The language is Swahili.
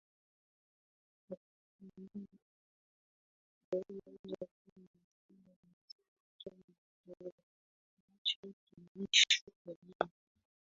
katika ile yakobo moja kumi na saba inasema kile kitolewacho kilicho kamili